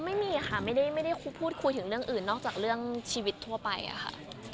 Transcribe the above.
ไม่มีค่ะไม่ได้พูดคุยถึงเรื่องอื่นนอกจากเรื่องชีวิตทั่วไปอะค่ะ